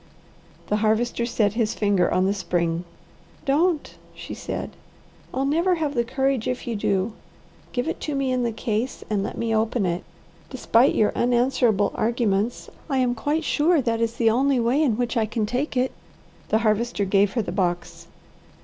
The Harvester set his finger on the spring. "Don't!" she said. "I'll never have the courage if you do. Give it to me in the case, and let me open it. Despite your unanswerable arguments, I am quite sure that is the only way in which I can take it." The Harvester gave her the box.